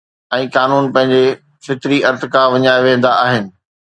۽ قانون پنهنجو فطري ارتقا وڃائي ويهندا آهن